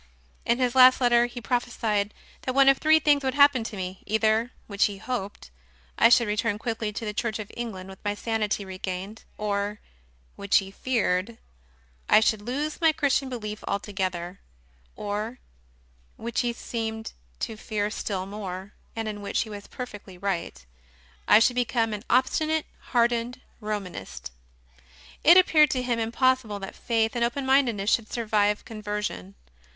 In his last letter he prophe sied that one of three things would happen to me: either (which he hoped) I should return quickly to the Church of England with my sanity regained, or (which he feared) I should lose my Chris tian belief altogether, or (which he seemed to fear still more, and in which he was perfectly right) I should become an obstinate, hardened Romanist. It appeared to him impossible that faith and open mindedness should survive conversion.